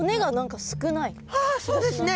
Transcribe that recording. あそうですね。